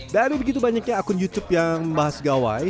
dari begitu banyaknya akun youtube yang membahas gawai